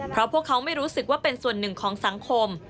เพราะพวกเขาไม่รู้สึกว่าเป็นส่วนหนึ่งของสังคม